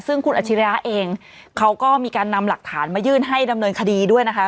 ซึ่งคุณอาชิริยะเองเขาก็มีการนำหลักฐานมายื่นให้ดำเนินคดีด้วยนะคะ